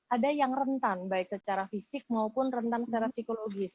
ada yang rentan baik secara fisik maupun rentan secara psikologis